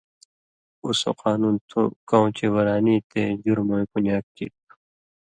اُو سو قانُون تُھو کؤں چے ورانی تے جُرمہ وَیں پُنیاک کیریۡ تُھو